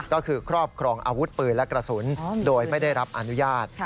ก็คือครอบครองอาวุธปืนและกระสุนโดยไม่ได้รับอนุญาต